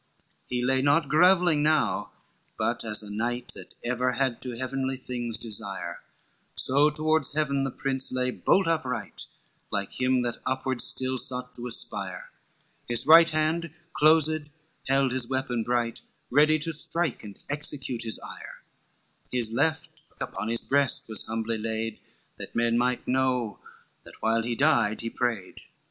XXXIII "He lay not grovelling now, but as a knight That ever had to heavenly things desire, So toward heaven the prince lay bolt upright, Like him that upward still sought to aspire, His right hand closed held his weapon bright, Ready to strike and execute his ire, His left upon his breast was humbly laid, That men might know, that while he died he prayed.